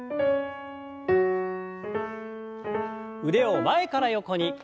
腕を前から横に。